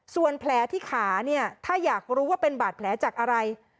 ส่วนแผลที่ขาเนี่ยถ้าอยากรู้ว่าเป็นบาดแผลจากอะไร